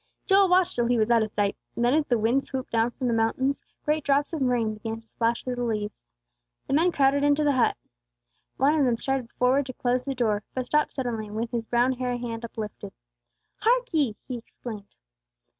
Joel watched till he was out of sight. Then, as the wind swooped down from the mountains, great drops of rain began to splash through the leaves. The men crowded into the hut. One of them started forward to close the door, but stopped suddenly, with his brown hairy hand uplifted. "Hark ye!" he exclaimed.